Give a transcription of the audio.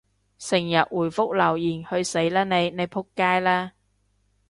成日回覆留言，去死啦你！你仆街啦！